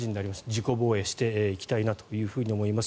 自己防衛していきたいなと思います。